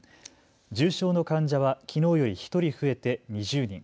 重症の患者はきのうより１人増えて２０人。